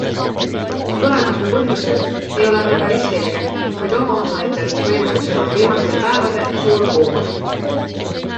Tulekahju põhjused ei ole veel päris selged, kuid oma osa etendas võimude sõnul viimastel päevade suur kuumus.